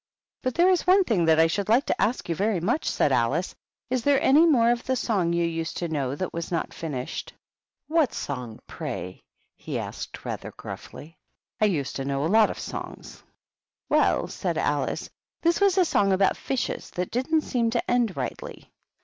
" But there is one thing that I should like to ask you very much," said Alice. " Is there any more of the song you used to know, that was not finished ?"" What song, pray ?" he asked, rather gruffly. "I used to know lots of songs." HTJHPTY DUMPTY. 93 "Well/' said Alice, "this was a song about fishes that didn't seem to end rightly."